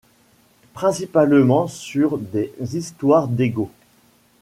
Principalement sur des histoires d'ego.